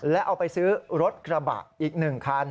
แล้วเอาไปซื้อรถกระบะอีก๑คัน